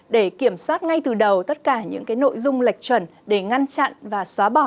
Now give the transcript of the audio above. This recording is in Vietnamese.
để kiểm soát ngay từ đầu tất cả những nội dung lệch chuẩn để ngăn chặn và xóa bỏ